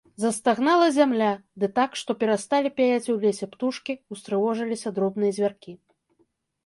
Застагнала зямля, ды так, што перасталі пяяць у лесе птушкі, устрывожыліся дробныя звяркі.